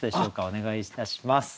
お願いいたします。